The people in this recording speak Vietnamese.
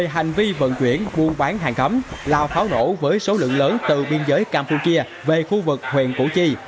hành vi vận chuyển buôn bán hàng cấm lao pháo nổ với số lượng lớn từ biên giới campuchia về khu vực huyện củ chi